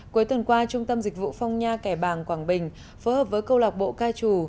cuối tuần qua trung tâm dịch vụ phong nha kẻ bàng quảng bình phối hợp với câu lạc bộ ca trù